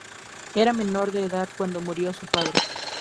Era menor de edad cuando murió su padre.